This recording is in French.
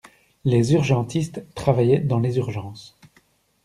Les urgentistes travaillent dans les urgences.